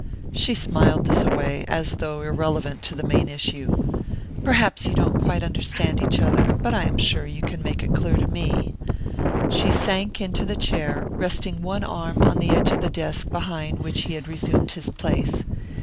She smiled this away, as though irrelevant to the main issue. "Perhaps you don't quite understand each other but I am sure you can make it clear to me." She sank into the chair, resting one arm on the edge of the desk behind which he had resumed his place.